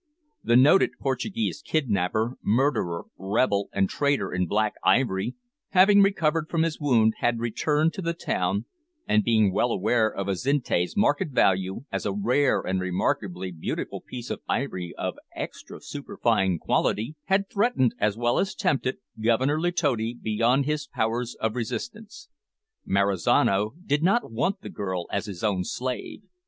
The noted Portuguese kidnapper, murderer, rebel and trader in black ivory, having recovered from his wound, had returned to the town, and, being well aware of Azinte's market value, as a rare and remarkably beautiful piece of ivory of extra superfine quality, had threatened, as well as tempted, Governor Letotti beyond his powers of resistance. Marizano did not want the girl as his own slave.